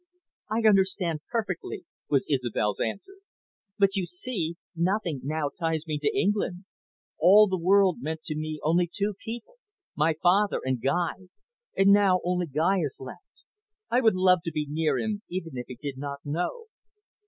"I understand perfectly," was Isobel's answer. "But, you see, nothing now ties me to England. All the world meant to me only two people, my father and Guy. Now, only Guy is left. I would love to be near him, even if he did not know."